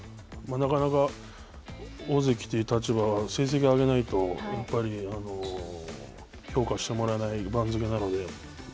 なかなか大関という立場は成績を上げないとやっぱり評価してもらえない番付なので。